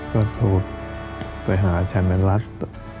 ก็โทษไปหาชัมมาญรัตน์